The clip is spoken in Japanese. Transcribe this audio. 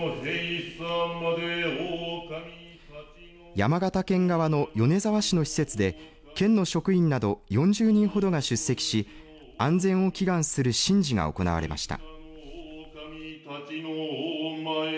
山形県側の米沢市の施設で県の職員など４０人ほどが出席し安全を祈願する神事が行われました。